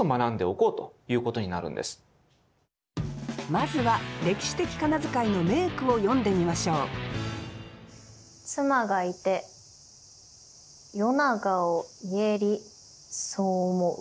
まずは歴史的仮名遣いの名句を読んでみましょう妻がいて夜長を言えりそう思う。